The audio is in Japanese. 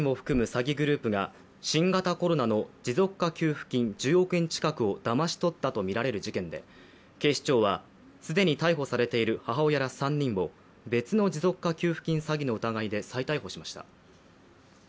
詐欺グループが新型コロナの持続化給付金１０億円近くをだまし取ったとみられる事件で警視庁は、既に逮捕されている母親ら３人を別の持続化給付金詐欺の疑いで再逮捕しました。